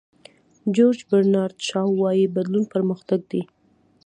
جیورج برنارد شاو وایي بدلون پرمختګ دی.